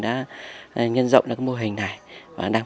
đã nhân rộng ra mô hình này và đang